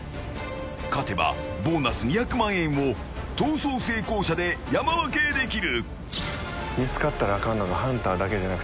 勝てばボーナス２００万円を逃走成功者で山分けできる。